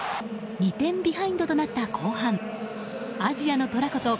２点ビハインドとなった後半アジアの虎こと